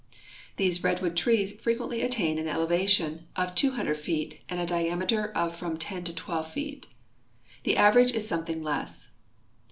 These redwood trees frequently attain an eleva tion of 200 feet and a diameter of from 10 to 12 feet. The aver age is something less.